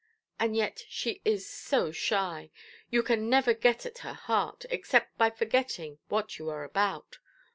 And yet she is so shy, you can never get at her heart, except by forgetting what you are about.